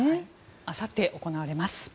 あさって行われます。